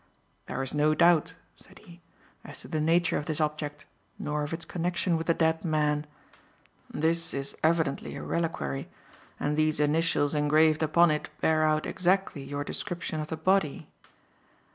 "There is no doubt," said he, "as to the nature of this object, nor of its connection with the dead man. This is evidently a reliquary, and these initials engraved upon it bear out exactly your description of the body.